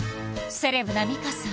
セレブな美香さん